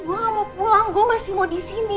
gue gak mau pulang gue masih mau disini